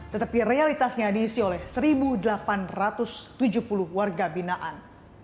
tetapi realitasnya diisi oleh satu delapan ratus tujuh puluh warga binaan